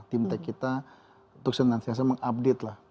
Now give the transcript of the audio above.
tim tech kita untuk senantiasa mengupdate lah